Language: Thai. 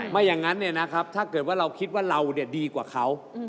ไม่อย่างนั้นถ้าเกิดว่าเราคิดว่าเราดีกว่าเขา